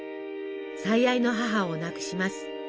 最愛の母を亡くします。